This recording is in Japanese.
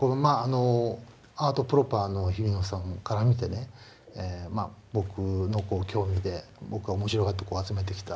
アート・プロパーの日比野さんから見て僕の興味で僕が面白がって集めてきた